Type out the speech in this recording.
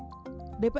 ada penolakan dari buruh